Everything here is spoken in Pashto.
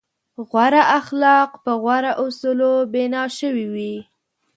غوره اخلاق په غوره اصولو بنا شوي وي.